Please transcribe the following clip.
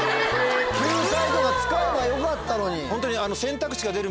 救済とか使えばよかったのに。